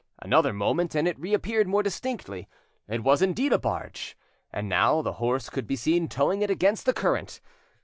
Another moment, and it reappeared more distinctly; it was indeed a barge, and now the horse could be seen towing it against the current.